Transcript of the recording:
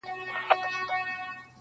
خیال دي